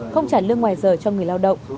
không trả lương ngoài giờ cho người lao động